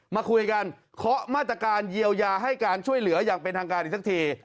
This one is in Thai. มาคุยกันเคาะมาตรการเยียวยาให้การช่วยเหลืออย่างเป็นทางการอีกสักที